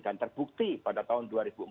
dan terbukti pada tahun dua ribu empat belas